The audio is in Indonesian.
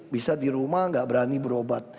bisa di rumah nggak berani berobat